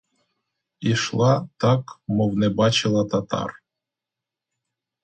Ішла так, мов не бачила татар.